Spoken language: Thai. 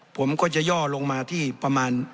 ผมก็จะย่อลงมาที่ประมาณ